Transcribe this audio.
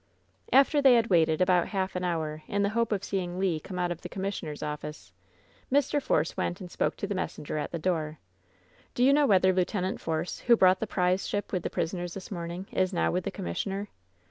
After they had waited about half an hour in the hope of seeing Le come out of the commissioner's office, Mr. Force went and spoke to the messenger at the door. "Do you know whether Lieut. Force, who brought the prize ship with the prisoners this morning, is now with the commissioner?"